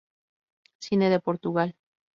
Cine de Portugal